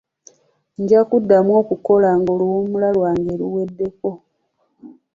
Nja kuddamu okukola ng'oluwummula lwange luweddeko.